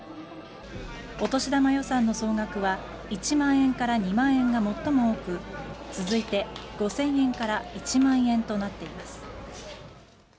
お年玉予算の総額は１万円から２万円が最も多く続いて、５０００円から１万円となっています。